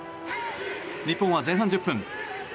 日本は前半１０分。